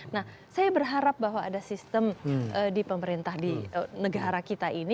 nah saya berharap bahwa ada sistem di pemerintah di negara kita ini